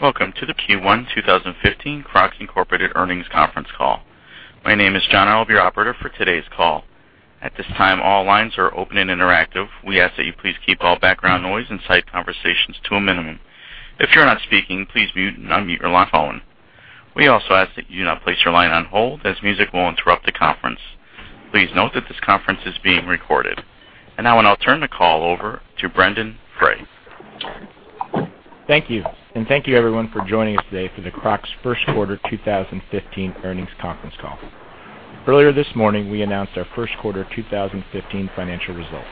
Welcome to the Q1 2015 Crocs, Inc. earnings conference call. My name is John. I'll be your operator for today's call. At this time, all lines are open and interactive. We ask that you please keep all background noise and side conversations to a minimum. If you're not speaking, please mute and unmute your phone. We also ask that you not place your line on hold, as music will interrupt the conference. Please note that this conference is being recorded. Now I'll now turn the call over to Brendan Corcoran. Thank you. Thank you everyone for joining us today for the Crocs first quarter 2015 earnings conference call. Earlier this morning, we announced our first quarter 2015 financial results.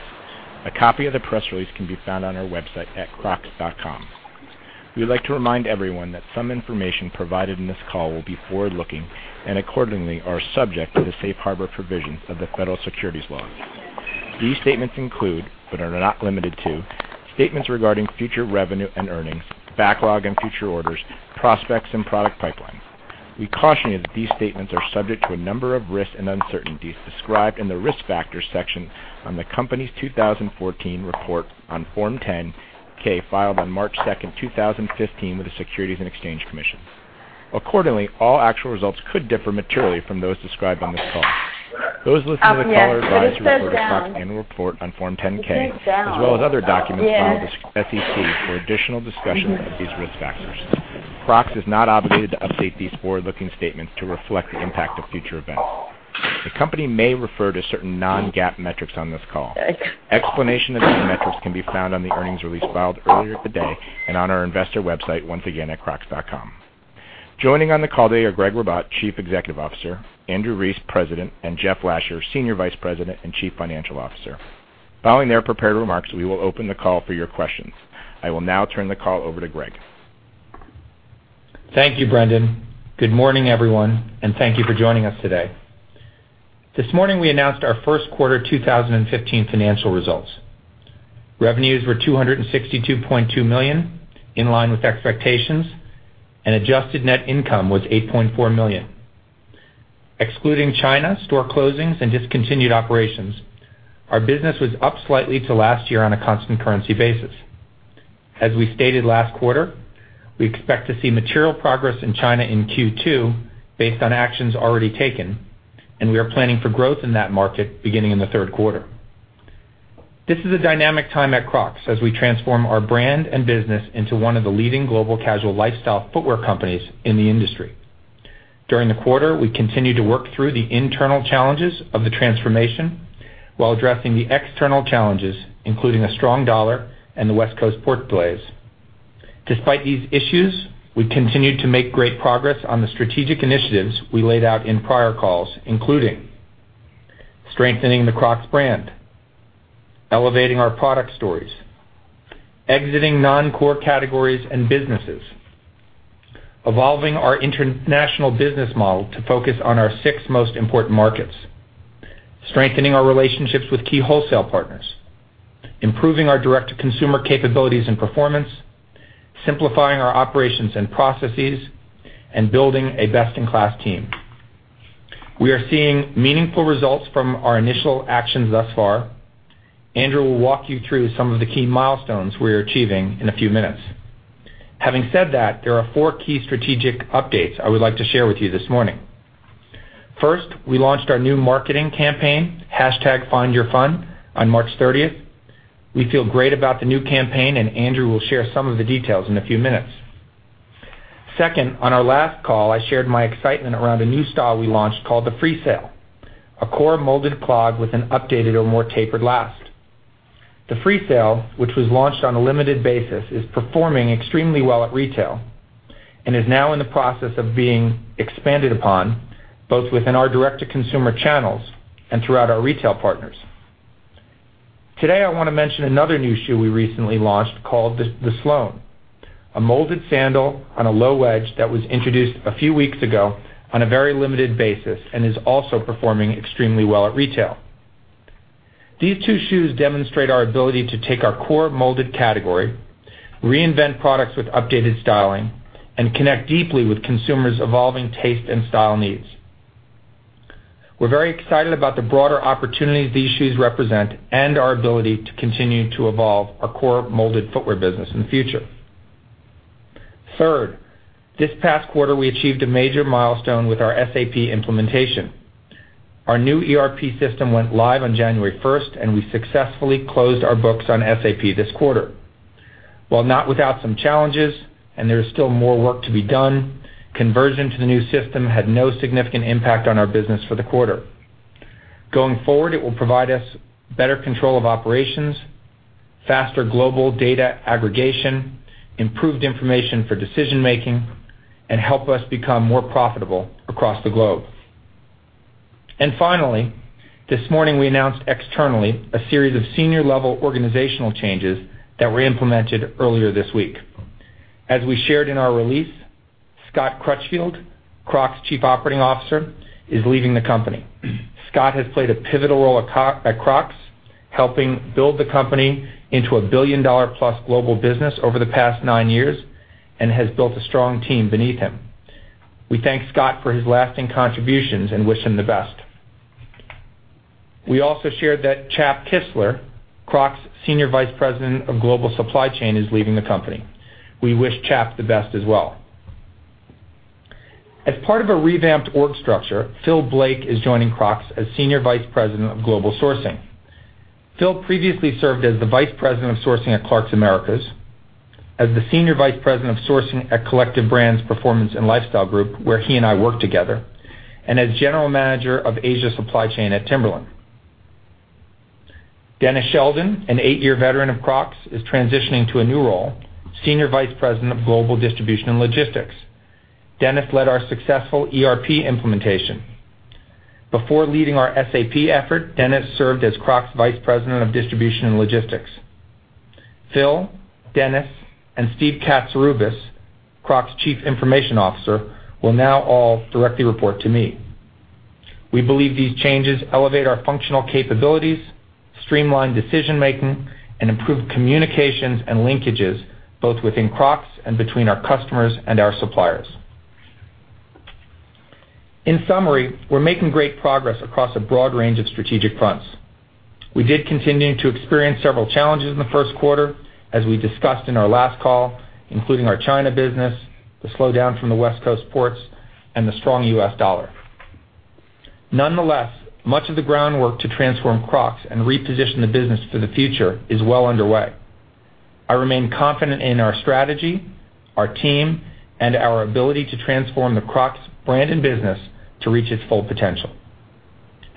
A copy of the press release can be found on our website at crocs.com. We would like to remind everyone that some information provided in this call will be forward-looking and accordingly are subject to the safe harbor provisions of the federal securities laws. These statements include, but are not limited to, statements regarding future revenue and earnings, backlog and future orders, prospects, and product pipeline. We caution you that these statements are subject to a number of risks and uncertainties described in the Risk Factors section on the company's 2014 report on Form 10-K, filed on March 2nd, 2015, with the Securities and Exchange Commission. Accordingly, all actual results could differ materially from those described on this call. Those listening to the call are referred to Crocs' annual report on Form 10-K, as well as other documents filed with the SEC for additional discussion of these risk factors. Crocs is not obligated to update these forward-looking statements to reflect the impact of future events. The company may refer to certain non-GAAP metrics on this call. Explanation of these metrics can be found on the earnings release filed earlier today and on our investor website, once again, at crocs.com. Joining on the call today are Gregg Ribatt, Chief Executive Officer; Andrew Rees, President; and Jeff Lasher, Senior Vice President and Chief Financial Officer. Following their prepared remarks, we will open the call for your questions. I will now turn the call over to Gregg. Thank you, Brendan. Good morning, everyone. Thank you for joining us today. This morning, we announced our first quarter 2015 financial results. Revenues were $262.2 million, in line with expectations, and adjusted net income was $8.4 million. Excluding China store closings and discontinued operations, our business was up slightly to last year on a constant currency basis. As we stated last quarter, we expect to see material progress in China in Q2 based on actions already taken, and we are planning for growth in that market beginning in the third quarter. This is a dynamic time at Crocs as we transform our brand and business into one of the leading global casual lifestyle footwear companies in the industry. During the quarter, we continued to work through the internal challenges of the transformation while addressing the external challenges, including a strong dollar and the West Coast port delays. Despite these issues, we continued to make great progress on the strategic initiatives we laid out in prior calls, including strengthening the Crocs Brand, elevating our product stories, exiting non-core categories and businesses, evolving our international business model to focus on our six most important markets, strengthening our relationships with key wholesale partners, improving our direct-to-consumer capabilities and performance, simplifying our operations and processes, and building a best-in-class team. We are seeing meaningful results from our initial actions thus far. Andrew will walk you through some of the key milestones we are achieving in a few minutes. Having said that, there are four key strategic updates I would like to share with you this morning. First, we launched our new marketing campaign, #FindYourFun, on March 30th. We feel great about the new campaign, and Andrew will share some of the details in a few minutes. Second, on our last call, I shared my excitement around a new style we launched called the Freesail, a core molded clog with an updated or more tapered last. The Freesail, which was launched on a limited basis, is performing extremely well at retail and is now in the process of being expanded upon, both within our direct-to-consumer channels and throughout our retail partners. Today, I want to mention another new shoe we recently launched called the Sloane, a molded sandal on a low wedge that was introduced a few weeks ago on a very limited basis and is also performing extremely well at retail. These two shoes demonstrate our ability to take our core molded category, reinvent products with updated styling, and connect deeply with consumers' evolving taste and style needs. We're very excited about the broader opportunities these shoes represent and our ability to continue to evolve our core molded footwear business in the future. Third, this past quarter, we achieved a major milestone with our SAP implementation. Our new ERP system went live on January 1st, and we successfully closed our books on SAP this quarter. While not without some challenges, there is still more work to be done, conversion to the new system had no significant impact on our business for the quarter. Going forward, it will provide us better control of operations, faster global data aggregation, improved information for decision-making, and help us become more profitable across the globe. Finally, this morning, we announced externally a series of senior-level organizational changes that were implemented earlier this week. As we shared in our release, Scott Crutchfield, Crocs' Chief Operating Officer, is leaving the company. Scott has played a pivotal role at Crocs, helping build the company into a billion-dollar-plus global business over the past nine years and has built a strong team beneath him. We thank Scott for his lasting contributions and wish him the best. We also shared that Chap Kistler, Crocs Senior Vice President of Global Supply Chain, is leaving the company. We wish Chap the best as well. As part of a revamped org structure, Phil Blake is joining Crocs as Senior Vice President of Global Sourcing. Phil previously served as the Vice President of Sourcing at Clarks Americas, as the Senior Vice President of Sourcing at Collective Brands Performance + Lifestyle Group, where he and I worked together, and as General Manager of Asia Supply Chain at Timberland. Dennis Sheldon, an eight-year veteran of Crocs, is transitioning to a new role, Senior Vice President of Global Distribution and Logistics. Dennis led our successful ERP implementation. Before leading our SAP effort, Dennis served as Crocs Vice President of Distribution and Logistics. Phil, Dennis, and Steve Katsiroubas, Crocs Chief Information Officer, will now all directly report to me. We believe these changes elevate our functional capabilities, streamline decision-making, and improve communications and linkages both within Crocs and between our customers and our suppliers. In summary, we're making great progress across a broad range of strategic fronts. We did continue to experience several challenges in the first quarter, as we discussed in our last call, including our China business, the slowdown from the West Coast ports, and the strong U.S. dollar. Nonetheless, much of the groundwork to transform Crocs and reposition the business for the future is well underway. I remain confident in our strategy, our team, and our ability to transform the Crocs brand and business to reach its full potential.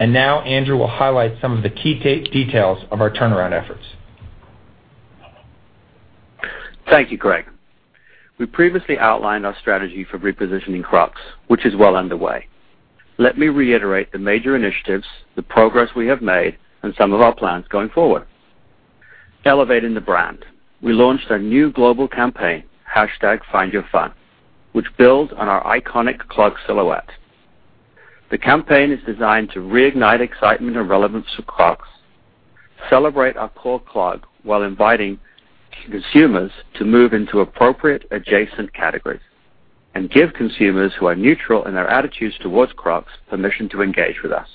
Now Andrew will highlight some of the key details of our turnaround efforts. Thank you, Gregg. We previously outlined our strategy for repositioning Crocs, which is well underway. Let me reiterate the major initiatives, the progress we have made, and some of our plans going forward. Elevating the brand. We launched a new global campaign, #FindYourFun, which builds on our iconic clog silhouette. The campaign is designed to reignite excitement and relevance for Crocs, celebrate our core clog while inviting consumers to move into appropriate adjacent categories, and give consumers who are neutral in their attitudes towards Crocs permission to engage with us.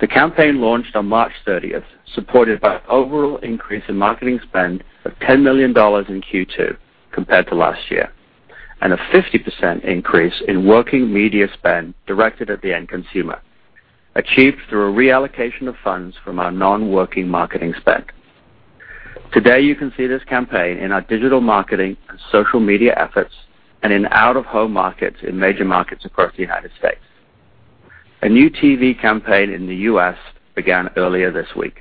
The campaign launched on March 30th, supported by an overall increase in marketing spend of $10 million in Q2 compared to last year, and a 50% increase in working media spend directed at the end consumer, achieved through a reallocation of funds from our non-working marketing spend. Today, you can see this campaign in our digital marketing and social media efforts and in out-of-home markets in major markets across the U.S. A new TV campaign in the U.S. began earlier this week.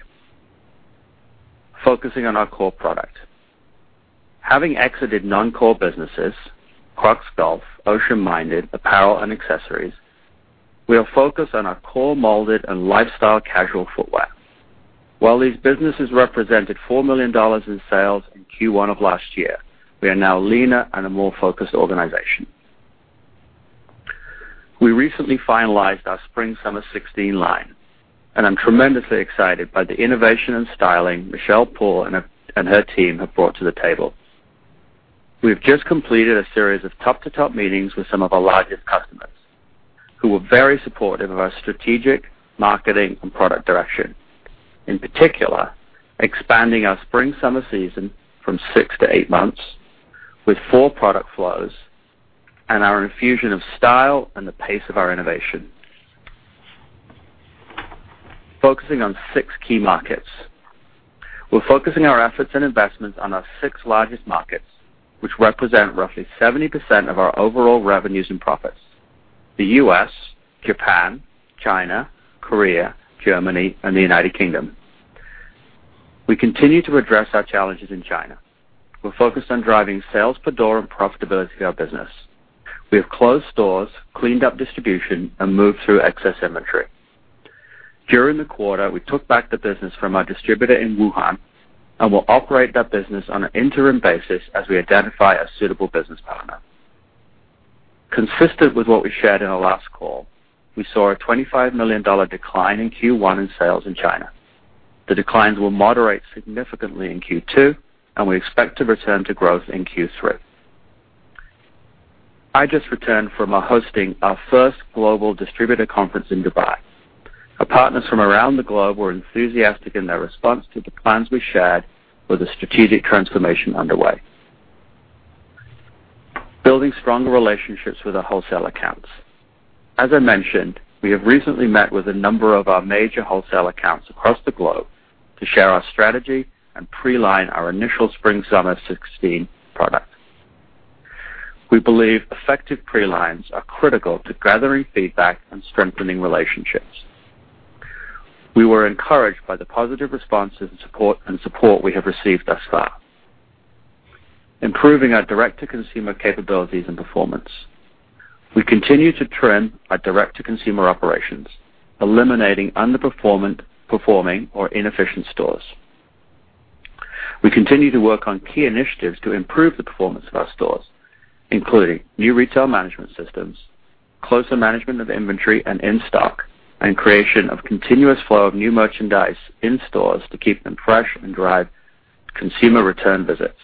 Focusing on our core product. Having exited non-core businesses, Crocs Golf, Ocean Minded, apparel, and accessories, we are focused on our core molded and lifestyle casual footwear. While these businesses represented $4 million in sales in Q1 of last year, we are now a leaner and a more focused organization. We recently finalized our spring/summer '16 line, and I'm tremendously excited by the innovation and styling Michelle Poole and her team have brought to the table. We have just completed a series of top-to-top meetings with some of our largest customers, who were very supportive of our strategic marketing and product direction, in particular, expanding our spring/summer season from 6-8 months with four product flows and our infusion of style and the pace of our innovation. Focusing on six key markets. We're focusing our efforts and investments on our six largest markets, which represent roughly 70% of our overall revenues and profits: the U.S., Japan, China, Korea, Germany, and the U.K. We continue to address our challenges in China. We're focused on driving sales per door and profitability of our business. We have closed stores, cleaned up distribution, and moved through excess inventory. During the quarter, we took back the business from our distributor in Wuhan and will operate that business on an interim basis as we identify a suitable business partner. Consistent with what we shared in our last call, we saw a $25 million decline in Q1 in sales in China. The declines will moderate significantly in Q2, and we expect to return to growth in Q3. I just returned from hosting our first global distributor conference in Dubai. Our partners from around the globe were enthusiastic in their response to the plans we shared for the strategic transformation underway. Building stronger relationships with our wholesale accounts. As I mentioned, we have recently met with a number of our major wholesale accounts across the globe to share our strategy and preline our initial spring/summer 2016 product. We believe effective prelines are critical to gathering feedback and strengthening relationships. We were encouraged by the positive responses and support we have received thus far. Improving our direct-to-consumer capabilities and performance. We continue to trim our direct-to-consumer operations, eliminating underperforming or inefficient stores. We continue to work on key initiatives to improve the performance of our stores, including new retail management systems, closer management of inventory and in-stock, and creation of continuous flow of new merchandise in stores to keep them fresh and drive consumer return visits.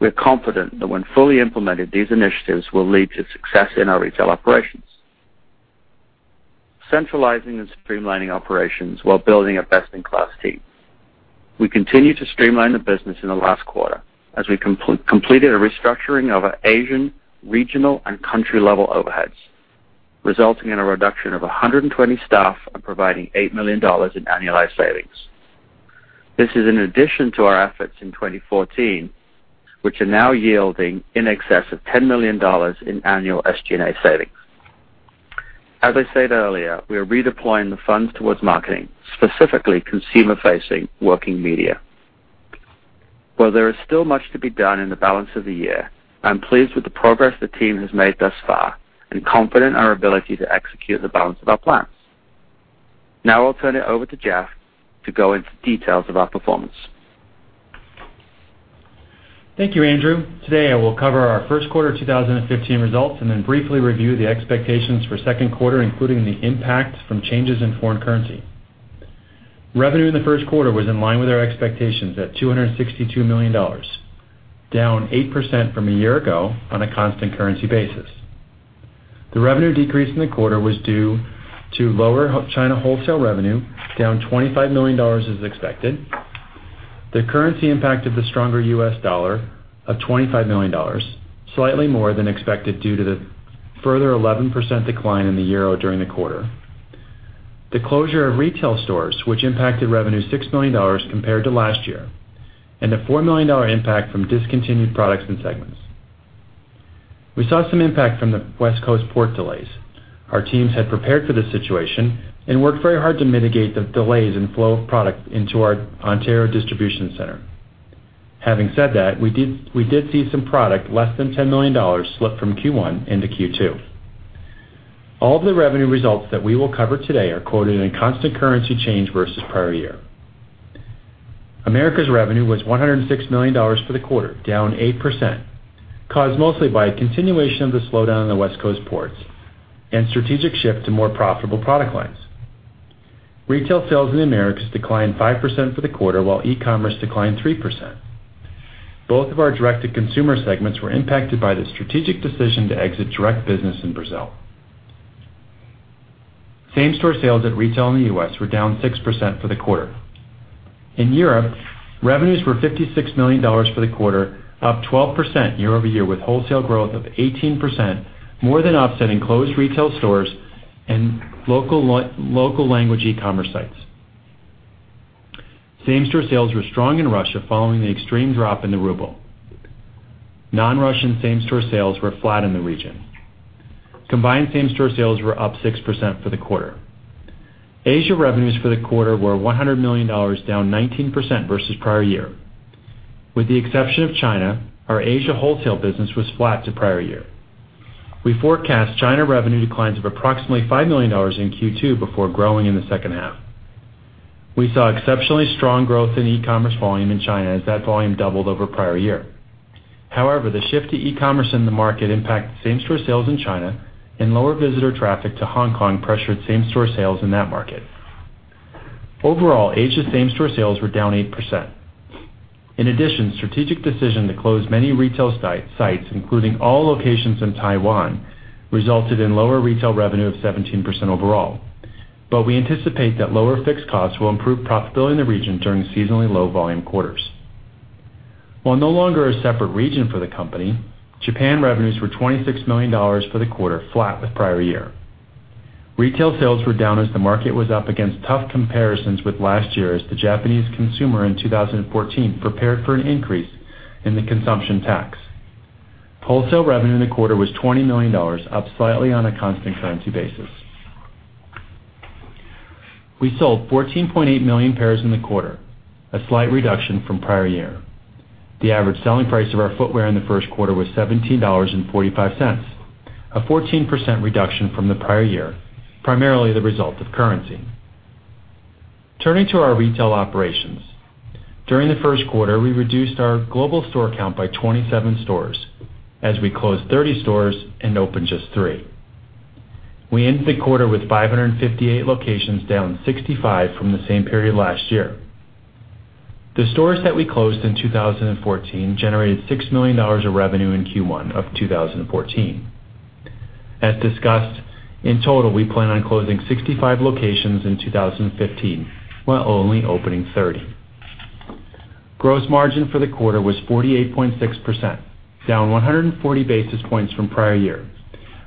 We're confident that when fully implemented, these initiatives will lead to success in our retail operations. Centralizing and streamlining operations while building a best-in-class team. We continued to streamline the business in the last quarter as we completed a restructuring of our Asian, regional, and country-level overheads, resulting in a reduction of 120 staff and providing $8 million in annualized savings. This is in addition to our efforts in 2014, which are now yielding in excess of $10 million in annual SG&A savings. As I said earlier, we are redeploying the funds towards marketing, specifically consumer-facing working media. While there is still much to be done in the balance of the year, I'm pleased with the progress the team has made thus far and confident in our ability to execute the balance of our plans. Now I'll turn it over to Jeff to go into details of our performance. Thank you, Andrew. Today, I will cover our first quarter 2015 results and then briefly review the expectations for the second quarter, including the impact from changes in foreign currency. Revenue in the first quarter was in line with our expectations at $262 million, down 8% from a year ago on a constant currency basis. The revenue decrease in the quarter was due to lower China wholesale revenue, down $25 million as expected. The currency impact of the stronger U.S. dollar of $25 million, slightly more than expected due to the further 11% decline in the euro during the quarter. The closure of retail stores, which impacted revenue $6 million compared to last year, and a $4 million impact from discontinued products and segments. We saw some impact from the West Coast port delays. Our teams had prepared for this situation and worked very hard to mitigate the delays in flow of product into our Ontario distribution center. Having said that, we did see some product, less than $10 million, slip from Q1 into Q2. All of the revenue results that we will cover today are quoted in constant currency change versus the prior year. Americas revenue was $106 million for the quarter, down 8%, caused mostly by a continuation of the slowdown in the West Coast ports and strategic shift to more profitable product lines. Retail sales in the Americas declined 5% for the quarter, while e-commerce declined 3%. Both of our direct-to-consumer segments were impacted by the strategic decision to exit direct business in Brazil. Same-store sales at retail in the U.S. were down 6% for the quarter. In Europe, revenues were $56 million for the quarter, up 12% year-over-year, with wholesale growth of 18%, more than offsetting closed retail stores and local language e-commerce sites. Same-store sales were strong in Russia following the extreme drop in the ruble. Non-Russian same-store sales were flat in the region. Combined same-store sales were up 6% for the quarter. Asia revenues for the quarter were $100 million, down 19% versus the prior year. With the exception of China, our Asia wholesale business was flat to the prior year. We forecast China revenue declines of approximately $5 million in Q2 before growing in the second half. We saw exceptionally strong growth in e-commerce volume in China, as that volume doubled over the prior year. However, the shift to e-commerce in the market impacted same-store sales in China, and lower visitor traffic to Hong Kong pressured same-store sales in that market. Overall, Asia same-store sales were down 8%. In addition, strategic decision to close many retail sites, including all locations in Taiwan, resulted in lower retail revenue of 17% overall. We anticipate that lower fixed costs will improve profitability in the region during seasonally low volume quarters. While no longer a separate region for the company, Japan revenues were $26 million for the quarter, flat with the prior year. Retail sales were down as the market was up against tough comparisons with last year as the Japanese consumer in 2014 prepared for an increase in the consumption tax. Wholesale revenue in the quarter was $20 million, up slightly on a constant currency basis. We sold 14.8 million pairs in the quarter, a slight reduction from the prior year. The average selling price of our footwear in the first quarter was $17.45, a 14% reduction from the prior year, primarily the result of currency. Turning to our retail operations. During the first quarter, we reduced our global store count by 27 stores as we closed 30 stores and opened just three. We ended the quarter with 558 locations, down 65 from the same period last year. The stores that we closed in 2014 generated $6 million of revenue in Q1 of 2014. As discussed, in total, we plan on closing 65 locations in 2015, while only opening 30. Gross margin for the quarter was 48.6%, down 140 basis points from the prior year.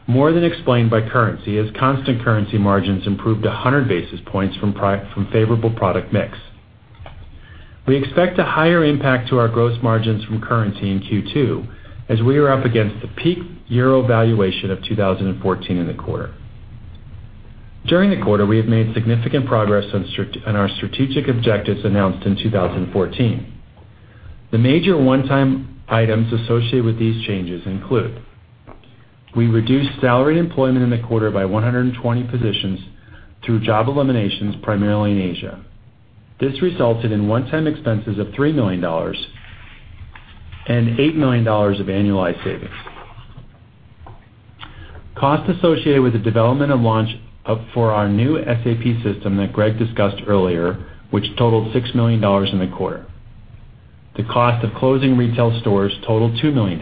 More than explained by currency, as constant currency margins improved 100 basis points from favorable product mix. We expect a higher impact to our gross margins from currency in Q2 as we are up against the peak euro valuation of 2014 in the quarter. During the quarter, we have made significant progress on our strategic objectives announced in 2014. The major one-time items associated with these changes include, we reduced salaried employment in the quarter by 120 positions through job eliminations, primarily in Asia. This resulted in one-time expenses of $3 million and $8 million of annualized savings. Costs associated with the development and launch for our new SAP system that Gregg discussed earlier, which totaled $6 million in the quarter. The cost of closing retail stores totaled $2 million.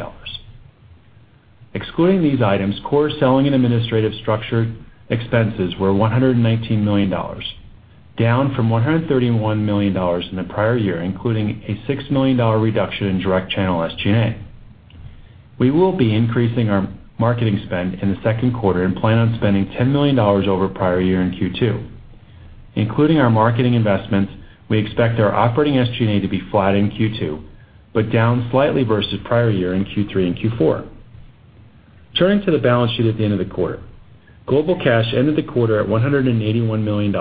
Excluding these items, core selling and administrative structure expenses were $119 million, down from $131 million in the prior year, including a $6 million reduction in direct channel SG&A. We will be increasing our marketing spend in the second quarter and plan on spending $10 million over prior year in Q2. Including our marketing investments, we expect our operating SG&A to be flat in Q2, but down slightly versus prior year in Q3 and Q4. Turning to the balance sheet at the end of the quarter. Global cash ended the quarter at $181 million.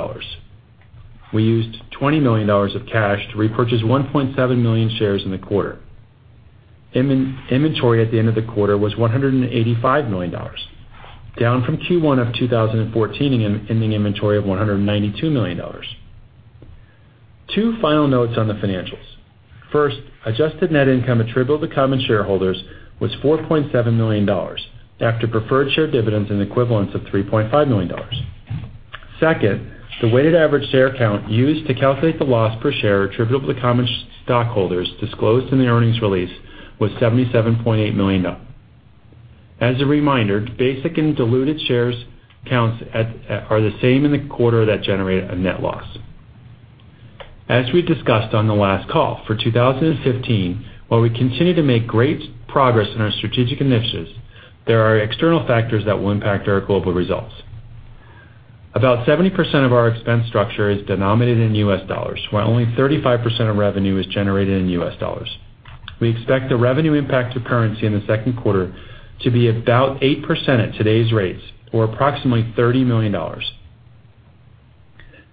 We used $20 million of cash to repurchase 1.7 million shares in the quarter. Inventory at the end of the quarter was $185 million, down from Q1 of 2014, ending inventory of $192 million. Two final notes on the financials. First, adjusted net income attributable to common shareholders was $4.7 million after preferred share dividends and equivalents of $3.5 million. Second, the weighted average share count used to calculate the loss per share attributable to common stockholders disclosed in the earnings release was 77.8 million. As a reminder, basic and diluted shares counts are the same in the quarter that generated a net loss. As we discussed on the last call, for 2015, while we continue to make great progress in our strategic initiatives, there are external factors that will impact our global results. About 70% of our expense structure is denominated in U.S. dollars, while only 35% of revenue is generated in U.S. dollars. We expect the revenue impact to currency in the second quarter to be about 8% at today's rates, or approximately $30 million.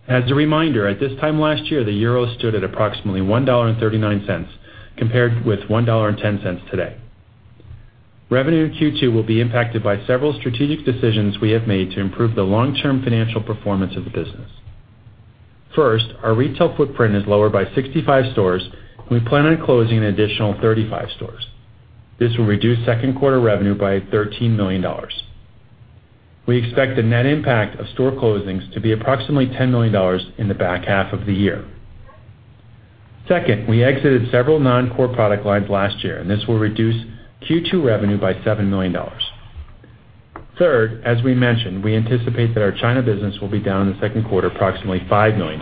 As a reminder, at this time last year, the euro stood at approximately $1.39 compared with $1.10 today. Revenue in Q2 will be impacted by several strategic decisions we have made to improve the long-term financial performance of the business. First, our retail footprint is lower by 65 stores. We plan on closing an additional 35 stores. This will reduce second quarter revenue by $13 million. We expect the net impact of store closings to be approximately $10 million in the back half of the year. Second, we exited several non-core product lines last year, this will reduce Q2 revenue by $7 million. Third, as we mentioned, we anticipate that our China business will be down in the second quarter approximately $5 million.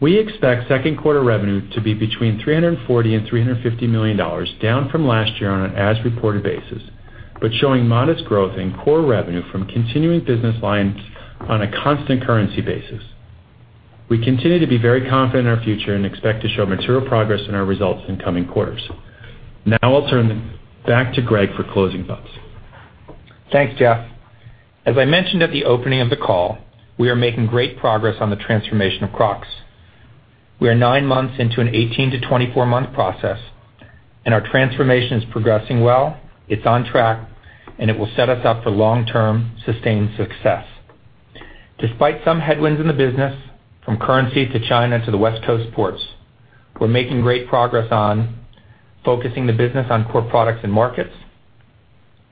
We expect second quarter revenue to be between $340 and $350 million, down from last year on an as-reported basis, but showing modest growth in core revenue from continuing business lines on a constant currency basis. We continue to be very confident in our future and expect to show material progress in our results in coming quarters. Now I'll turn it back to Gregg for closing thoughts. Thanks, Jeff. As I mentioned at the opening of the call, we are making great progress on the transformation of Crocs. We are nine months into an 18 to 24-month process, our transformation is progressing well. It's on track, it will set us up for long-term sustained success. Despite some headwinds in the business, from currency to China to the West Coast ports, we're making great progress on focusing the business on core products and markets,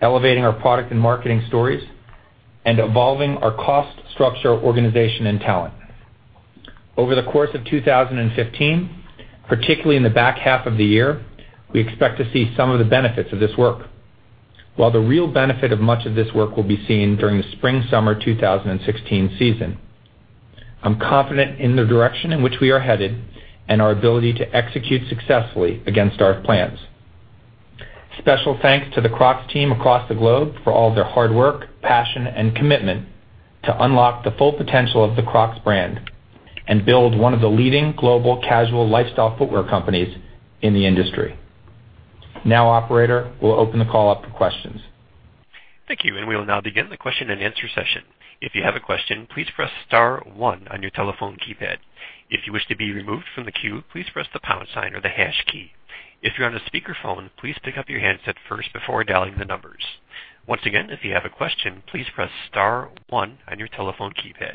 elevating our product and marketing stories, and evolving our cost structure, organization, and talent. Over the course of 2015, particularly in the back half of the year, we expect to see some of the benefits of this work. While the real benefit of much of this work will be seen during the spring-summer 2016 season, I'm confident in the direction in which we are headed and our ability to execute successfully against our plans. Special thanks to the Crocs team across the globe for all their hard work, passion, and commitment to unlock the full potential of the Crocs brand and build one of the leading global casual lifestyle footwear companies in the industry. Now, operator, we'll open the call up for questions. Thank you. We will now begin the question and answer session. If you have a question, please press *1 on your telephone keypad. If you wish to be removed from the queue, please press the pound sign or the hash key. If you're on a speakerphone, please pick up your handset first before dialing the numbers. Once again, if you have a question, please press *1 on your telephone keypad.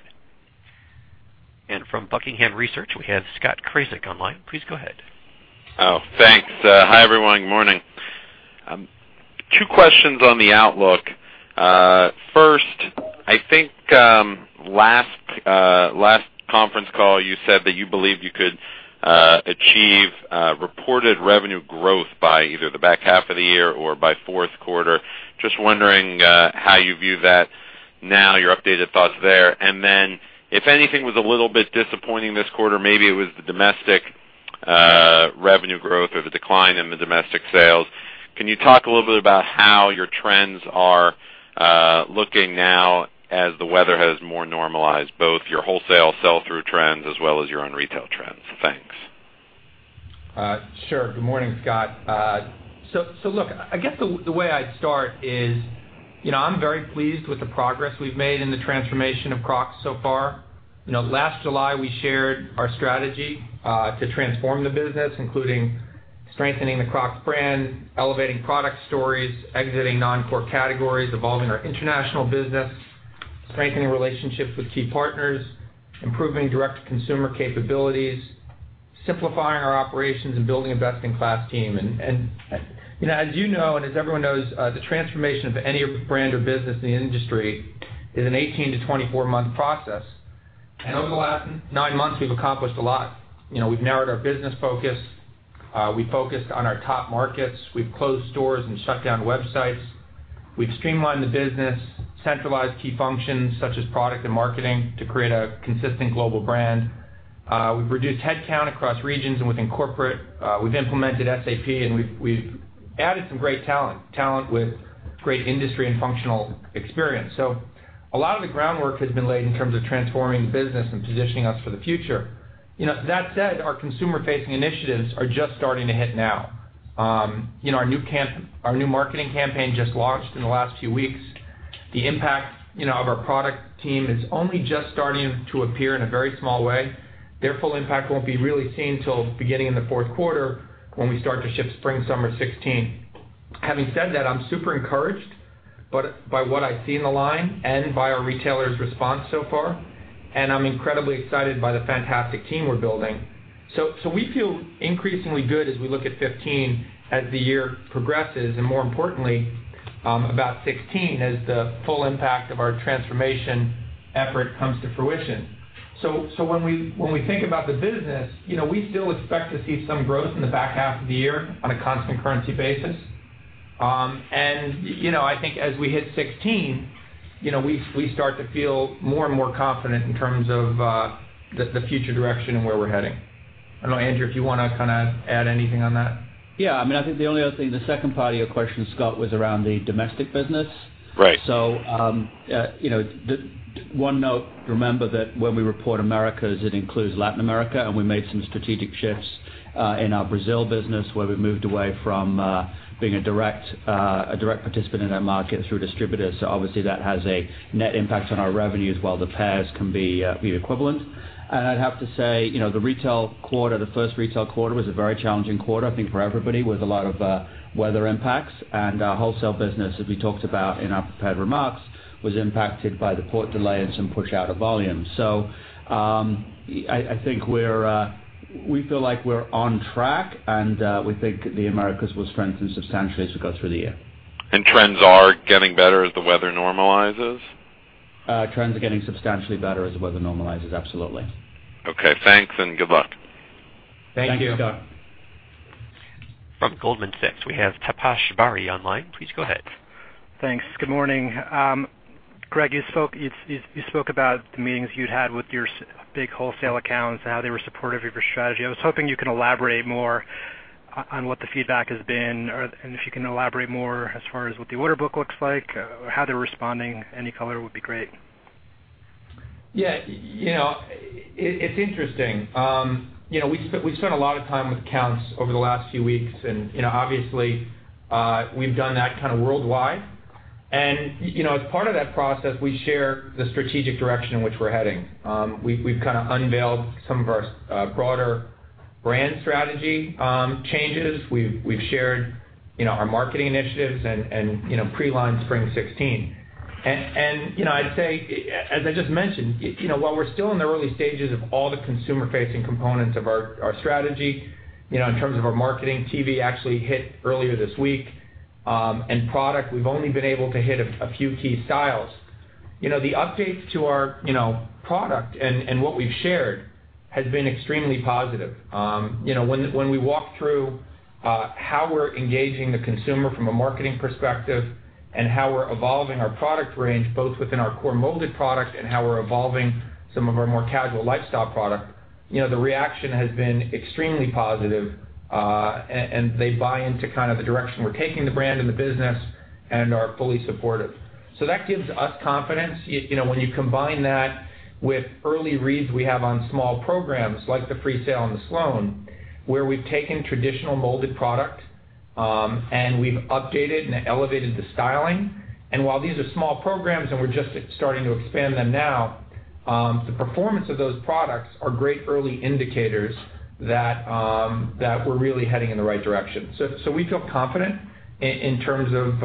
From Buckingham Research, we have Scott Krasik online. Please go ahead. Thanks. Hi, everyone. Good morning. Two questions on the outlook. First, I think last conference call, you said that you believed you could achieve reported revenue growth by either the back half of the year or by fourth quarter. Just wondering how you view that now, your updated thoughts there. Then, if anything was a little bit disappointing this quarter, maybe it was the domestic revenue growth or the decline in the domestic sales. Can you talk a little bit about how your trends are looking now as the weather has more normalized, both your wholesale sell-through trends as well as your own retail trends? Thanks. Sure. Good morning, Scott. Look, I guess the way I'd start is, I'm very pleased with the progress we've made in the transformation of Crocs so far. Last July, we shared our strategy to transform the business, including strengthening the Crocs brand, elevating product stories, exiting non-core categories, evolving our international business, strengthening relationships with key partners, improving direct consumer capabilities Simplifying our operations and building a best-in-class team. As you know, and as everyone knows, the transformation of any brand or business in the industry is an 18 to 24-month process. Over the last nine months, we've accomplished a lot. We've narrowed our business focus. We've focused on our top markets. We've closed stores and shut down websites. We've streamlined the business, centralized key functions such as product and marketing, to create a consistent global brand. We've reduced headcount across regions and within corporate. We've implemented SAP, we've added some great talent. Talent with great industry and functional experience. A lot of the groundwork has been laid in terms of transforming the business and positioning us for the future. That said, our consumer-facing initiatives are just starting to hit now. Our new marketing campaign just launched in the last few weeks. The impact of our product team is only just starting to appear in a very small way. Their full impact won't be really seen till the beginning of the fourth quarter, when we start to ship spring/summer '16. Having said that, I'm super encouraged by what I see in the line and by our retailers' response so far. I'm incredibly excited by the fantastic team we're building. We feel increasingly good as we look at 2015 as the year progresses, and more importantly, about 2016 as the full impact of our transformation effort comes to fruition. When we think about the business, we still expect to see some growth in the back half of the year on a constant currency basis. I think as we hit 2016, we start to feel more and more confident in terms of the future direction and where we're heading. I don't know, Andrew, if you want to add anything on that. Yeah. I think the only other thing, the second part of your question, Scott, was around the domestic business. Right. One note, remember that when we report Americas, it includes Latin America, and we made some strategic shifts in our Brazil business, where we moved away from being a direct participant in that market through distributors. Obviously that has a net impact on our revenues while the pairs can be equivalent. I'd have to say, the first retail quarter was a very challenging quarter, I think for everybody, with a lot of weather impacts. Our wholesale business, as we talked about in our prepared remarks, was impacted by the port delay and some push out of volume. I think we feel like we're on track and we think the Americas will strengthen substantially as we go through the year. Trends are getting better as the weather normalizes? Trends are getting substantially better as the weather normalizes. Absolutely. Okay, thanks and good luck. Thank you. Thank you, Scott. From Goldman Sachs, we have Taposh Bari on the line. Please go ahead. Thanks. Good morning. Gregg, you spoke about the meetings you'd had with your big wholesale accounts and how they were supportive of your strategy. I was hoping you could elaborate more on what the feedback has been, and if you can elaborate more as far as what the order book looks like or how they're responding. Any color would be great. Yeah. It's interesting. We've spent a lot of time with accounts over the last few weeks, and obviously, we've done that kind of worldwide. As part of that process, we share the strategic direction in which we're heading. We've kind of unveiled some of our broader brand strategy changes. We've shared our marketing initiatives and pre-lined spring 2016. I'd say, as I just mentioned, while we're still in the early stages of all the consumer-facing components of our strategy, in terms of our marketing, TV actually hit earlier this week. Product, we've only been able to hit a few key styles. The updates to our product and what we've shared has been extremely positive. When we walk through how we're engaging the consumer from a marketing perspective and how we're evolving our product range, both within our core molded product and how we're evolving some of our more casual lifestyle product, the reaction has been extremely positive. They buy into the direction we're taking the brand and the business and are fully supportive. That gives us confidence. When you combine that with early reads we have on small programs, like the Freesail on the Sloane, where we've taken traditional molded product, and we've updated and elevated the styling. While these are small programs and we're just starting to expand them now, the performance of those products are great early indicators that we're really heading in the right direction. We feel confident in terms of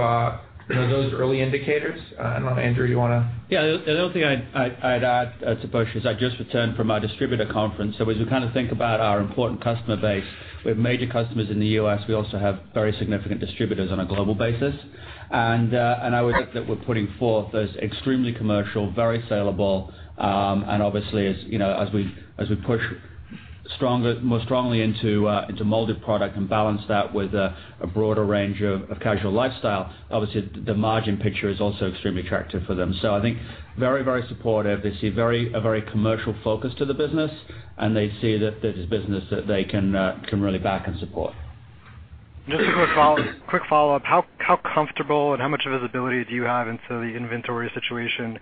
those early indicators. I don't know, Andrew, you want to- Yeah. The only thing I'd add, Taposh, is I just returned from our distributor conference. As we think about our important customer base, we have major customers in the U.S. We also have very significant distributors on a global basis. I would hope that we're putting forth those extremely commercial, very saleable, and obviously as we push more strongly into molded product and balance that with a broader range of casual lifestyle, obviously the margin picture is also extremely attractive for them. I think very supportive. They see a very commercial focus to the business, and they see that it's business that they can really back and support. Just a quick follow-up. How comfortable and how much visibility do you have into the inventory situation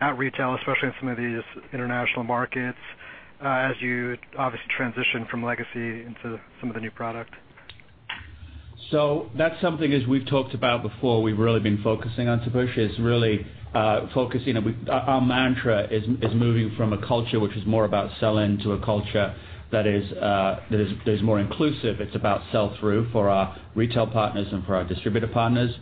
at retail, especially in some of these international markets, as you obviously transition from legacy into some of the new product? That's something, as we've talked about before, we've really been focusing on, Taposh. Our mantra is moving from a culture which is more about sell-in to a culture that is more inclusive. It's about sell-through for our retail partners and for our distributor partners.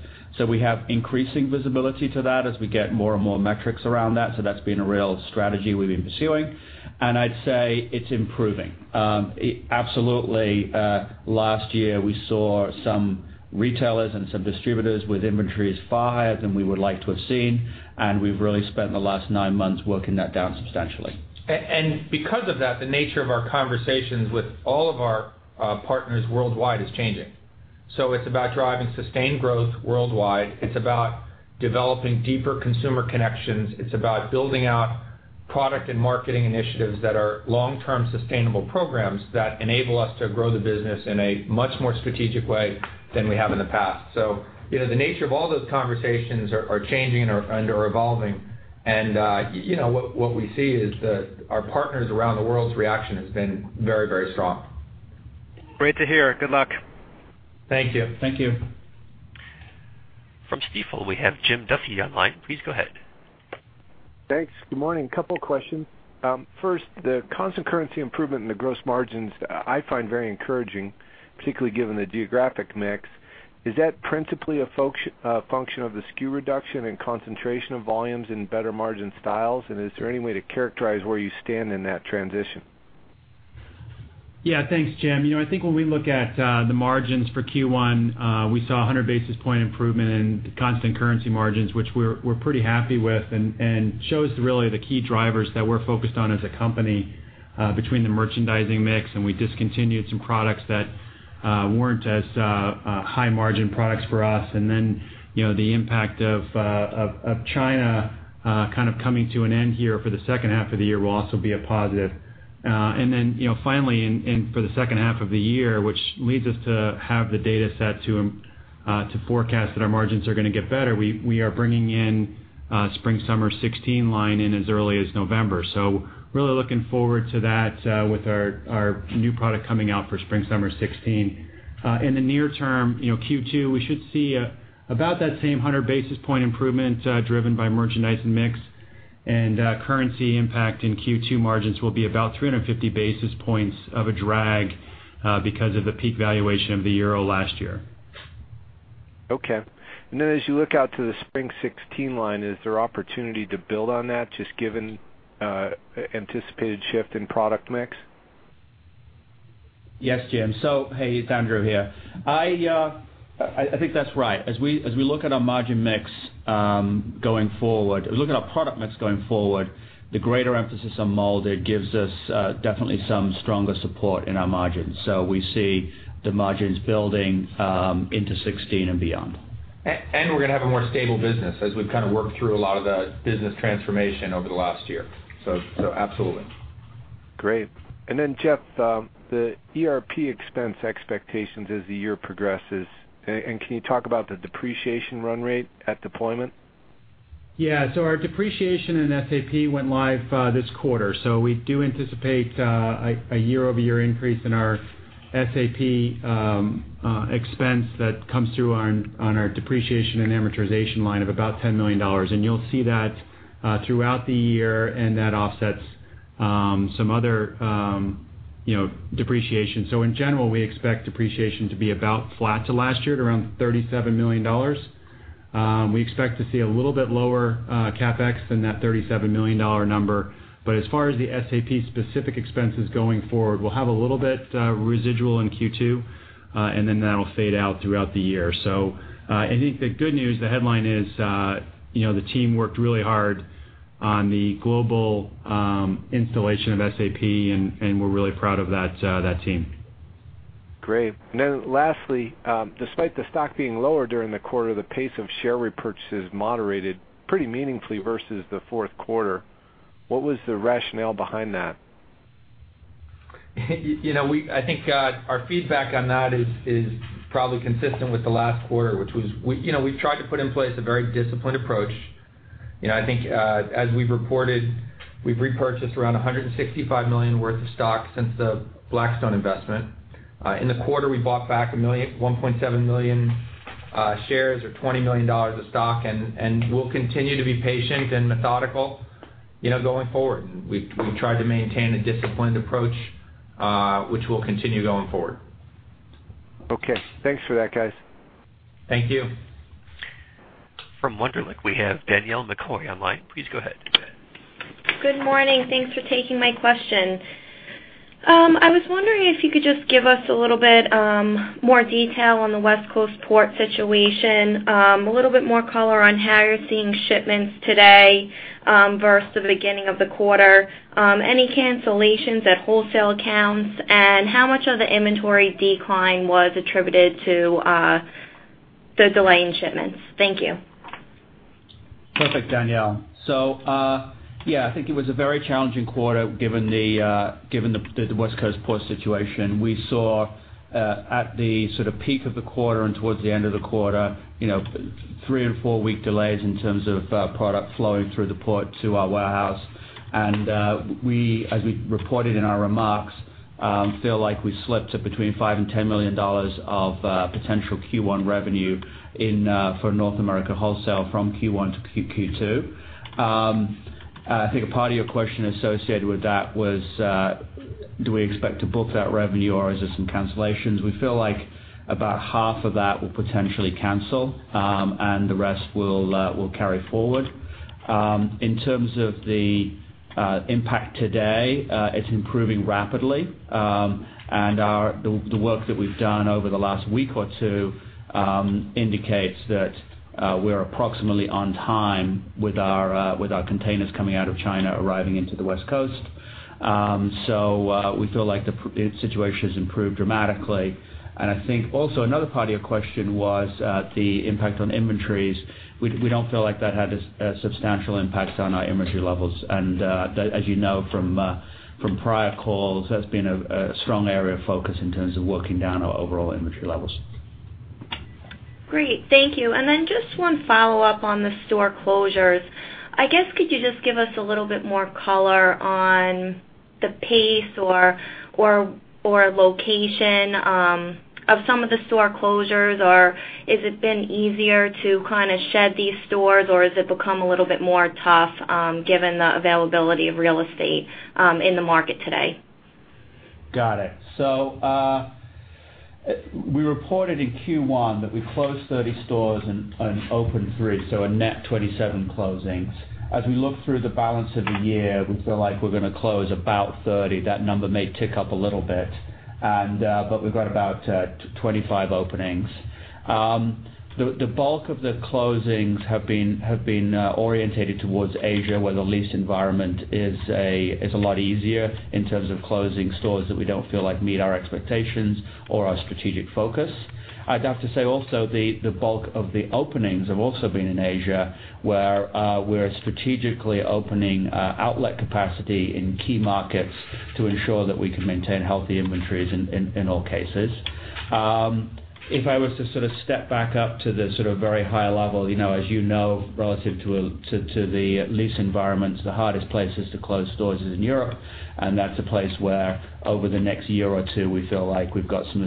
We have increasing visibility to that as we get more and more metrics around that. That's been a real strategy we've been pursuing. I'd say it's improving. Absolutely, last year we saw some retailers and some distributors with inventories far higher than we would like to have seen, and we've really spent the last nine months working that down substantially. Because of that, the nature of our conversations with all of our partners worldwide is changing. It's about driving sustained growth worldwide. It's about developing deeper consumer connections. It's about building out product and marketing initiatives that are long-term sustainable programs that enable us to grow the business in a much more strategic way than we have in the past. The nature of all those conversations are changing and are evolving. What we see is that our partners around the world's reaction has been very strong. Great to hear. Good luck. Thank you. Thank you. From Stifel, we have Jim Duffy on the line. Please go ahead. Thanks. Good morning. A couple questions. First, the constant currency improvement in the gross margins I find very encouraging, particularly given the geographic mix. Is that principally a function of the SKU reduction and concentration of volumes in better margin styles? Is there any way to characterize where you stand in that transition? Yeah. Thanks, Jim. I think when we look at the margins for Q1, we saw 100 basis point improvement in constant currency margins, which we're pretty happy with, and shows really the key drivers that we're focused on as a company between the merchandising mix, and we discontinued some products that weren't as high margin products for us. The impact of China kind of coming to an end here for the second half of the year will also be a positive. Finally, for the second half of the year, which leads us to have the data set to forecast that our margins are going to get better. We are bringing in spring-summer '16 line in as early as November. Really looking forward to that with our new product coming out for spring-summer '16. In the near term, Q2, we should see about that same 100 basis point improvement driven by merchandising mix. Currency impact in Q2 margins will be about 350 basis points of a drag because of the peak valuation of the EUR last year. Okay. As you look out to the spring '16 line, is there opportunity to build on that, just given anticipated shift in product mix? Yes, Jim. Hey, it's Andrew here. I think that's right. As we look at our margin mix going forward, as we look at our product mix going forward, the greater emphasis on molded gives us definitely some stronger support in our margins. We see the margins building into '16 and beyond. We're going to have a more stable business as we've kind of worked through a lot of the business transformation over the last year. Absolutely. Great. Jeff, the ERP expense expectations as the year progresses. Can you talk about the depreciation run rate at deployment? Yeah. Our depreciation in SAP went live this quarter. We do anticipate a year-over-year increase in our SAP expense that comes through on our depreciation and amortization line of about $10 million. You'll see that throughout the year, and that offsets some other depreciation. In general, we expect depreciation to be about flat to last year, at around $37 million. We expect to see a little bit lower CapEx than that $37 million number. As far as the SAP specific expenses going forward, we'll have a little bit residual in Q2, and then that'll fade out throughout the year. I think the good news, the headline is, the team worked really hard on the global installation of SAP, and we're really proud of that team. Great. Lastly, despite the stock being lower during the quarter, the pace of share repurchases moderated pretty meaningfully versus the fourth quarter. What was the rationale behind that? I think our feedback on that is probably consistent with the last quarter, which was we've tried to put in place a very disciplined approach. I think, as we've reported, we've repurchased around $165 million worth of stock since the Blackstone investment. In the quarter, we bought back 1.7 million shares or $20 million of stock, we'll continue to be patient and methodical going forward. We've tried to maintain a disciplined approach, which we'll continue going forward. Okay. Thanks for that, guys. Thank you. From Wunderlich, we have Danielle McCoy on the line. Please go ahead. Good morning. Thanks for taking my question. I was wondering if you could just give us a little bit more detail on the West Coast port situation. A little bit more color on how you're seeing shipments today versus the beginning of the quarter. Any cancellations at wholesale accounts? How much of the inventory decline was attributed to the delay in shipments? Thank you. Perfect, Danielle. Yeah, I think it was a very challenging quarter given the West Coast port situation. We saw at the sort of peak of the quarter and towards the end of the quarter, three- and four-week delays in terms of product flowing through the port to our warehouse. As we reported in our remarks We feel like we slipped at between $5 million and $10 million of potential Q1 revenue for North America wholesale from Q1 to Q2. I think a part of your question associated with that was, do we expect to book that revenue or is this in cancellations? We feel like about half of that will potentially cancel, and the rest will carry forward. In terms of the impact today, it's improving rapidly. The work that we've done over the last week or two indicates that we're approximately on time with our containers coming out of China, arriving into the West Coast. We feel like the situation has improved dramatically. I think also another part of your question was the impact on inventories. We don't feel like that had a substantial impact on our inventory levels. As you know from prior calls, that's been a strong area of focus in terms of working down our overall inventory levels. Great. Thank you. Just one follow-up on the store closures. Could you just give us a little bit more color on the pace or location of some of the store closures? Has it been easier to kind of shed these stores, or has it become a little bit more tough given the availability of real estate in the market today? Got it. We reported in Q1 that we closed 30 stores and opened three, a net 27 closings. As we look through the balance of the year, we feel like we're going to close about 30. That number may tick up a little bit. We've got about 25 openings. The bulk of the closings have been orientated towards Asia, where the lease environment is a lot easier in terms of closing stores that we don't feel like meet our expectations or our strategic focus. I'd have to say also, the bulk of the openings have also been in Asia, where we're strategically opening outlet capacity in key markets to ensure that we can maintain healthy inventories in all cases. If I was to sort of step back up to the very high level, as you know, relative to the lease environments, the hardest places to close stores is in Europe. That's a place where over the next year or two, we feel like we've got some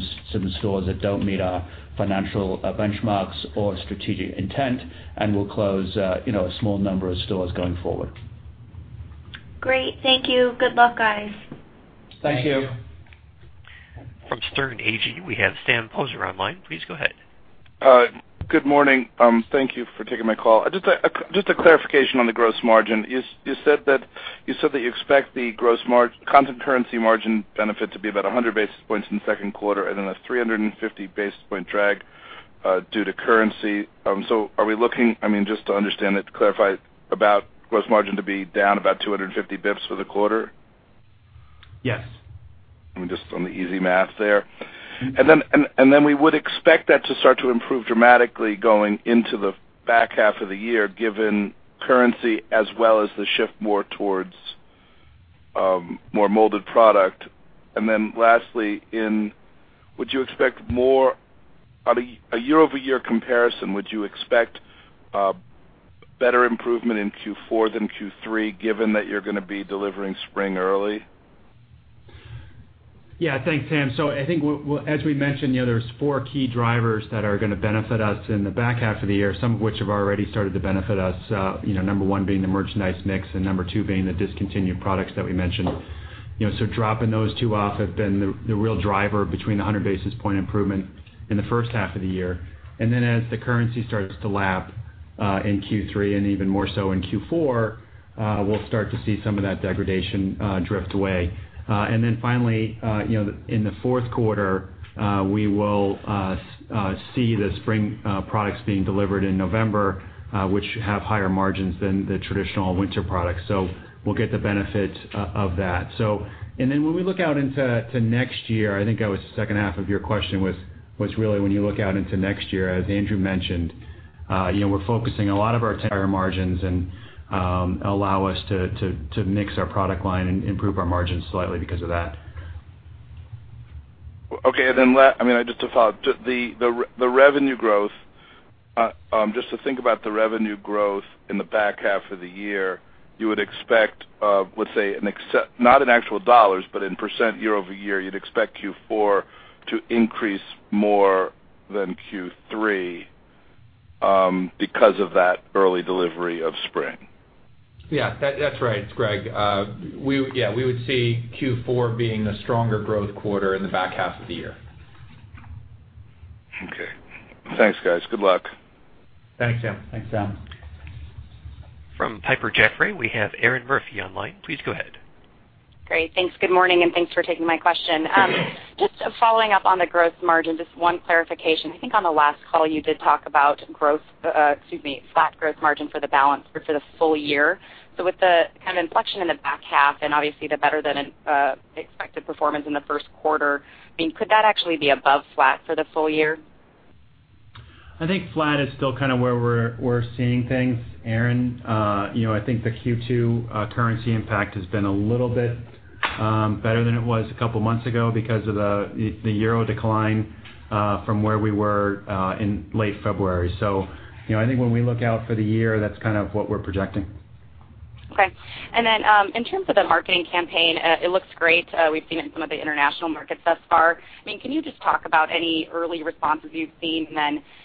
stores that don't meet our financial benchmarks or strategic intent, and we'll close a small number of stores going forward. Great. Thank you. Good luck, guys. Thank you. From Sterne Agee, we have Sam Poser online. Please go ahead. Good morning. Thank you for taking my call. Just a clarification on the gross margin. You said that you expect the constant currency margin benefit to be about 100 basis points in the second quarter and then a 350 basis point drag due to currency. Are we looking, just to understand it, to clarify about gross margin to be down about 250 basis points for the quarter? Yes. Just on the easy math there. We would expect that to start to improve dramatically going into the back half of the year, given currency as well as the shift more towards more molded product. Lastly, on a year-over-year comparison, would you expect better improvement in Q4 than Q3, given that you're going to be delivering spring early? Thanks, Sam. I think as we mentioned, there's four key drivers that are going to benefit us in the back half of the year, some of which have already started to benefit us, number one being the merchandise mix, and number two being the discontinued products that we mentioned. Dropping those two off have been the real driver between the 100 basis point improvement in the first half of the year. As the currency starts to lap, in Q3 and even more so in Q4, we'll start to see some of that degradation drift away. Finally, in the fourth quarter, we will see the spring products being delivered in November, which have higher margins than the traditional winter products. We'll get the benefit of that. When we look out into next year, I think that was the second half of your question, was really when you look out into next year. As Andrew mentioned, we're focusing a lot of our entire margins and allow us to mix our product line and improve our margins slightly because of that. Okay. Just to follow. Just to think about the revenue growth in the back half of the year, you would expect, let's say, not in actual dollars but in % year-over-year, you'd expect Q4 to increase more than Q3 because of that early delivery of spring. Yeah. That's right, Gregg. We would see Q4 being a stronger growth quarter in the back half of the year. Okay. Thanks, guys. Good luck. Thanks, Sam. From Piper Jaffray, we have Erinn Murphy on line. Please go ahead. Great. Thanks. Good morning. Thanks for taking my question. Just following up on the gross margin, just one clarification. I think on the last call, you did talk about flat gross margin for the full year. With the kind of inflection in the back half and obviously the better-than-expected performance in the first quarter, could that actually be above flat for the full year? I think flat is still where we're seeing things, Erinn. I think the Q2 currency impact has been a little bit better than it was a couple of months ago because of the euro decline from where we were in late February. I think when we look out for the year, that's what we're projecting. Okay. In terms of the marketing campaign, it looks great. We've seen it in some of the international markets thus far. Can you just talk about any early responses you've seen?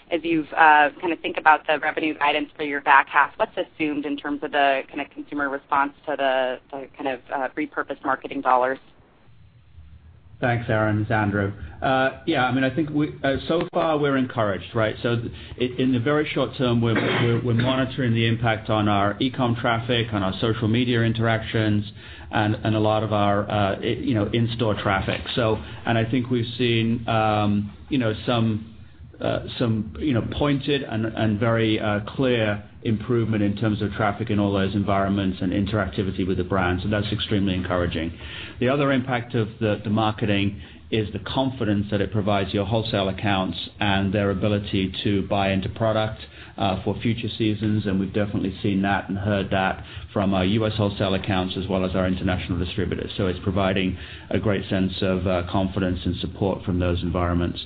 As you think about the revenue guidance for your back half, what's assumed in terms of the consumer response to the repurposed marketing dollars? Thanks, Erinn. It's Andrew. Yeah. [So far] we're encouraged, right? In the very short term, we're monitoring the impact on our e-com traffic, on our social media interactions, and a lot of our in-store traffic. I think we've seen some pointed and very clear improvement in terms of traffic in all those environments and interactivity with the brand. That's extremely encouraging. The other impact of the marketing is the confidence that it provides your wholesale accounts and their ability to buy into product for future seasons, we've definitely seen that and heard that from our U.S. wholesale accounts as well as our international distributors. It's providing a great sense of confidence and support from those environments.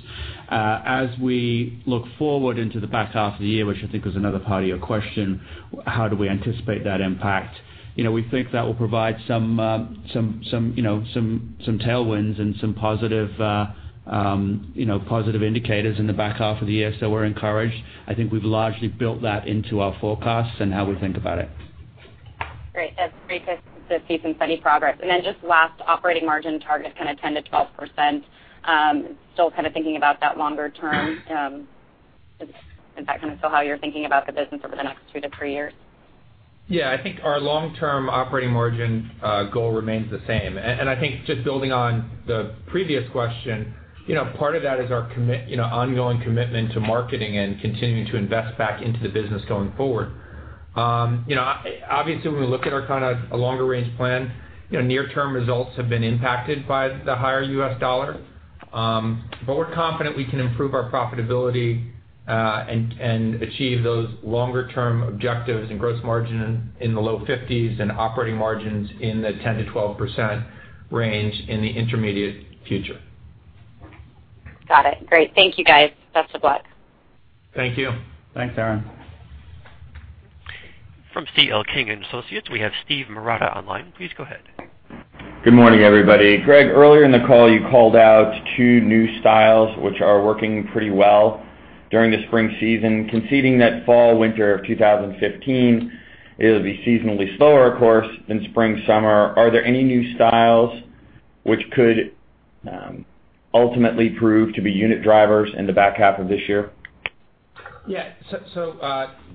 As we look forward into the back half of the year, which I think was another part of your question, how do we anticipate that impact? We think that will provide some tailwinds and some positive indicators in the back half of the year. We're encouraged. I think we've largely built that into our forecasts and how we think about it. Great. That's great to see some steady progress. Just last, operating margin target 10%-12%, still thinking about that longer term. Is that still how you're thinking about the business over the next two to three years? Yeah, I think our long-term operating margin goal remains the same. I think just building on the previous question, part of that is our ongoing commitment to marketing and continuing to invest back into the business going forward. Obviously, when we look at our longer range plan, near-term results have been impacted by the higher U.S. dollar. We're confident we can improve our profitability, and achieve those longer-term objectives and gross margin in the low 50s and operating margins in the 10%-12% range in the intermediate future. Got it. Great. Thank you, guys. Best of luck. Thank you. Thanks, Erinn. From C.L. King & Associates, we have Steven Marotta online. Please go ahead. Good morning, everybody. Gregg, earlier in the call, you called out two new styles which are working pretty well during the spring season. Conceding that fall/winter of 2015, it'll be seasonally slower, of course, than spring/summer. Are there any new styles which could ultimately prove to be unit drivers in the back half of this year? Yeah.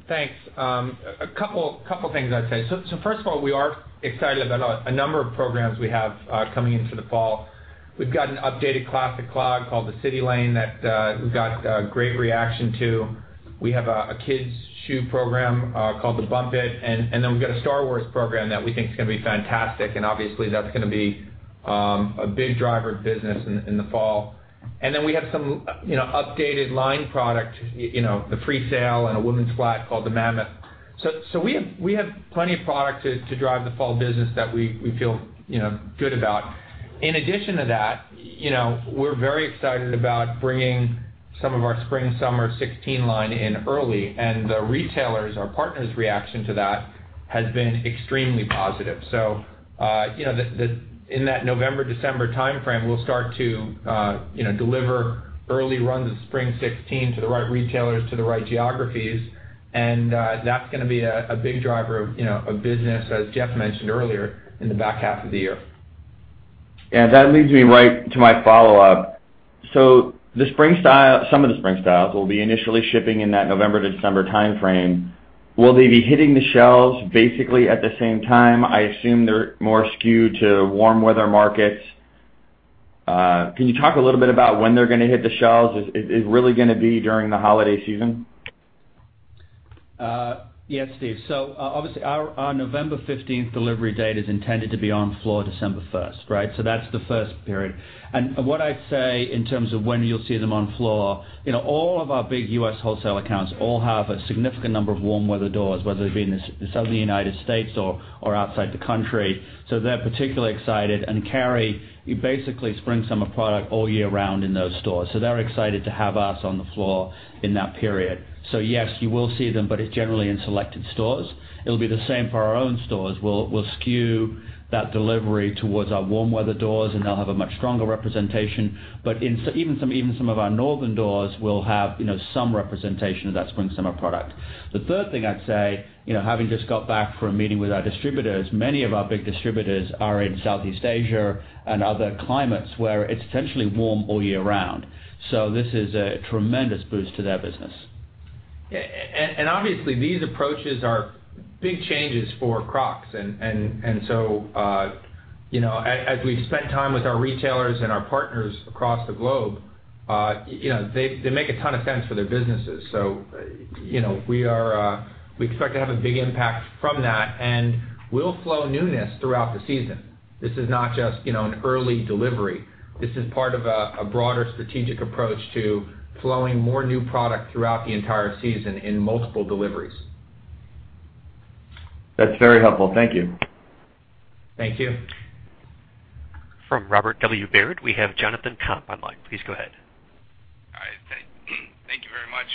Thanks. A couple things I'd say. First of all, we are excited about a number of programs we have coming into the fall. We've got an updated classic clog called the CitiLane that we've got great reaction to. We have a kids' shoe program called the Bump It, and then we've got a Star Wars program that we think is going to be fantastic, and obviously, that's going to be a big driver of business in the fall. We have some updated line product, the Freesail and a women's flat called the Mammoth. We have plenty of product to drive the fall business that we feel good about. In addition to that, we're very excited about bringing some of our spring/summer 2016 line in early. The retailers, our partners' reaction to that has been extremely positive. In that November-December timeframe, we'll start to deliver early runs of spring '16 to the right retailers, to the right geographies, and that's going to be a big driver of business, as Jeff mentioned earlier, in the back half of the year. Yeah. That leads me right to my follow-up. Some of the spring styles will be initially shipping in that November to December timeframe. Will they be hitting the shelves basically at the same time? I assume they're more skewed to warm weather markets. Can you talk a little bit about when they're going to hit the shelves? Is it really going to be during the holiday season? Yes, Steve. Obviously, our November 15th delivery date is intended to be on floor December 1st, right? That's the first period. What I'd say in terms of when you'll see them on floor, all of our big U.S. wholesale accounts all have a significant number of warm weather doors, whether it be in the Southern United States or outside the country. They're particularly excited. Carry basically spring/summer product all year round in those stores. They're excited to have us on the floor in that period. Yes, you will see them, but it's generally in selected stores. It'll be the same for our own stores. We'll skew that delivery towards our warm weather doors, and they'll have a much stronger representation. Even some of our northern doors will have some representation of that spring/summer product. The third thing I'd say, having just got back from a meeting with our distributors, many of our big distributors are in Southeast Asia and other climates where it's essentially warm all year round. This is a tremendous boost to their business. Obviously, these approaches are big changes for Crocs. As we've spent time with our retailers and our partners across the globe, they make a ton of sense for their businesses. We expect to have a big impact from that, and we'll flow newness throughout the season. This is not just an early delivery. This is part of a broader strategic approach to flowing more new product throughout the entire season in multiple deliveries. That's very helpful. Thank you. Thank you. From Robert W. Baird, we have Jonathan Komp online. Please go ahead. Thank you very much,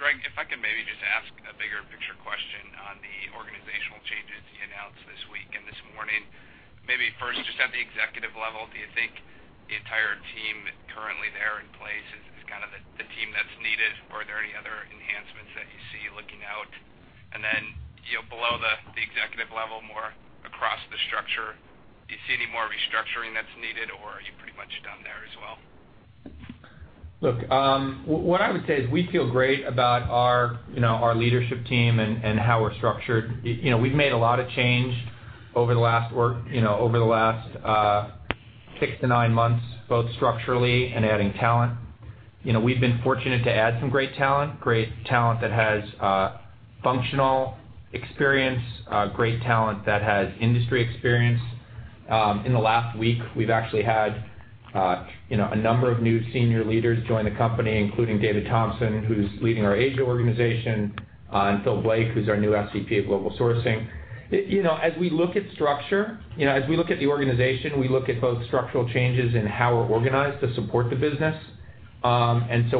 Gregg, if I can maybe just ask a bigger picture question on the organizational changes you announced this week and this morning. First, just at the executive level, do you think the entire team currently there in place is kind of the team that's needed, or are there any other enhancements that you see looking out? Below the executive level, more across the structure, do you see any more restructuring that's needed, or are you pretty much done there as well? What I would say is we feel great about our leadership team and how we're structured. We've made a lot of change over the last six to nine months, both structurally and adding talent. We've been fortunate to add some great talent, great talent that has functional experience, great talent that has industry experience. In the last week, we've actually had a number of new senior leaders join the company, including David Thompson, who's leading our Asia organization, and Phil Blake, who's our new SVP of global sourcing. As we look at structure, as we look at the organization, we look at both structural changes and how we're organized to support the business.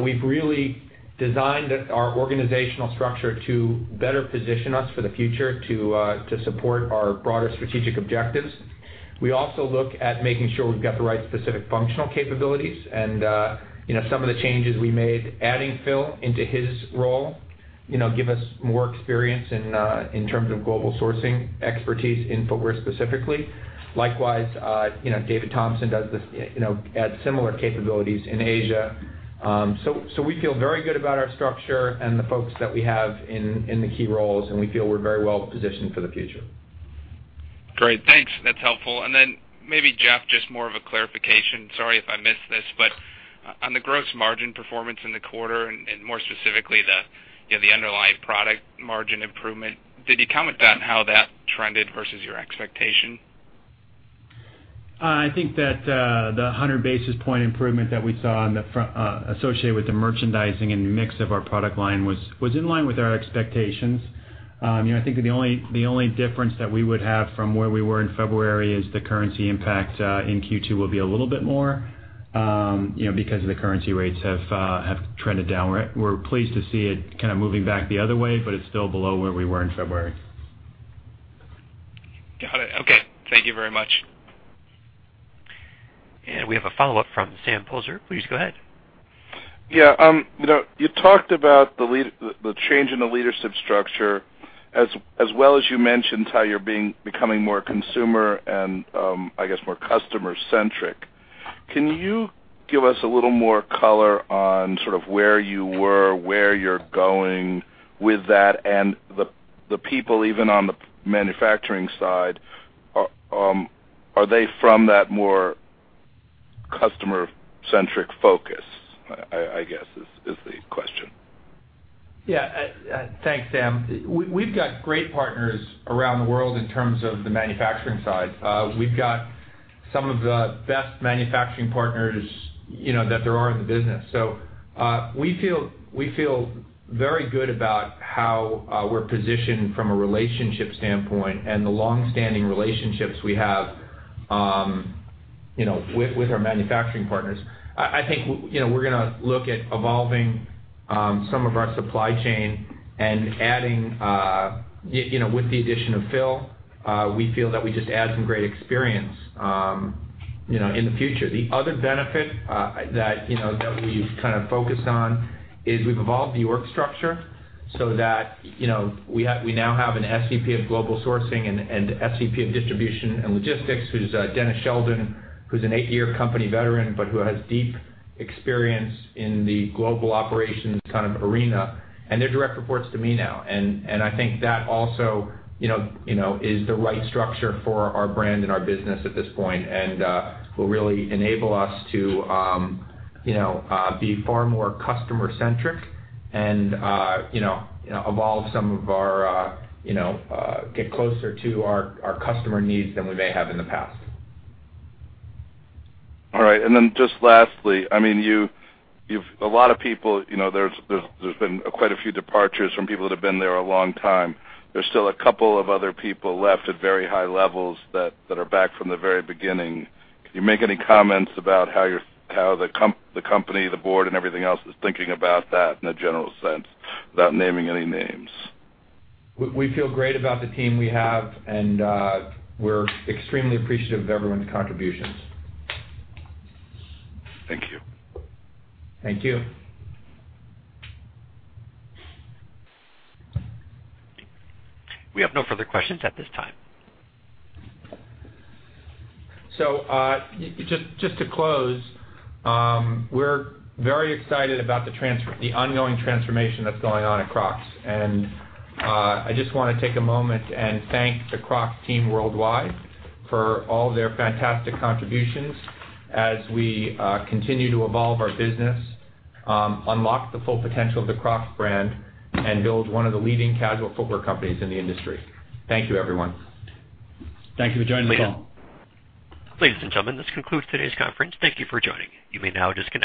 We've really designed our organizational structure to better position us for the future to support our broader strategic objectives. We also look at making sure we've got the right specific functional capabilities, and some of the changes we made, adding Phil into his role give us more experience in terms of global sourcing expertise in footwear specifically. Likewise, David Thompson adds similar capabilities in Asia. We feel very good about our structure and the folks that we have in the key roles, and we feel we're very well-positioned for the future. Great. Thanks. That's helpful. Jeff, just more of a clarification. Sorry if I missed this, on the gross margin performance in the quarter and more specifically the underlying product margin improvement, did you comment on how that trended versus your expectation? I think that the 100 basis points improvement that we saw associated with the merchandising and mix of our product line was in line with our expectations. I think that the only difference that we would have from where we were in February is the currency impact in Q2 will be a little bit more because the currency rates have trended downward. We're pleased to see it kind of moving back the other way, but it's still below where we were in February. Got it. Okay. Thank you very much. We have a follow-up from Sam Poser. Please go ahead. Yeah. You talked about the change in the leadership structure as well as you mentioned how you're becoming more consumer and, I guess, more customer-centric. Can you give us a little more color on sort of where you were, where you're going with that, and the people, even on the manufacturing side, are they from that more customer-centric focus, I guess is the question. Yeah. Thanks, Sam. We've got great partners around the world in terms of the manufacturing side. We've got some of the best manufacturing partners that there are in the business. We feel very good about how we're positioned from a relationship standpoint and the longstanding relationships we have with our manufacturing partners. I think we're going to look at evolving some of our supply chain. With the addition of Phil, we feel that we just add some great experience in the future. The other benefit that we've kind of focused on is we've evolved the org structure so that we now have an SVP of global sourcing and SVP of distribution and logistics, who's Dennis Sheldon, who's an eight-year company veteran, but who has deep experience in the global operations kind of arena, and they're direct reports to me now. I think that also is the right structure for our brand and our business at this point and will really enable us to be far more customer-centric and get closer to our customer needs than we may have in the past. All right. Just lastly, there's been quite a few departures from people that have been there a long time. There's still a couple of other people left at very high levels that are back from the very beginning. Can you make any comments about how the company, the board, and everything else is thinking about that in a general sense, without naming any names? We feel great about the team we have, and we're extremely appreciative of everyone's contributions. Thank you. Thank you. We have no further questions at this time. Just to close, we're very excited about the ongoing transformation that's going on at Crocs. I just want to take a moment and thank the Crocs team worldwide for all their fantastic contributions as we continue to evolve our business, unlock the full potential of the Crocs brand, and build one of the leading casual footwear companies in the industry. Thank you, everyone. Thank you for joining the call. Ladies and gentlemen, this concludes today's conference. Thank you for joining. You may now disconnect.